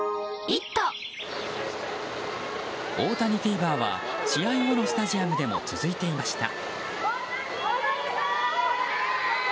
大谷フィーバーは試合後のスタジアムでも続いていました。